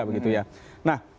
nah terima kasih